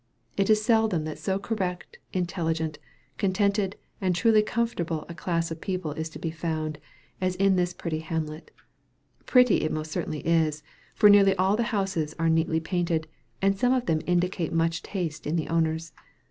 It is seldom that so correct, intelligent, contented, and truly comfortable a class of people is to be found, as in this pretty hamlet. Pretty it most certainly is for nearly all the houses are neatly painted, and some of them indicate much taste in the owners.